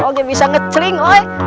saya bisa mencaring